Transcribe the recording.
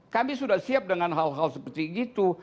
kami sudah siap dengan hal hal seperti itu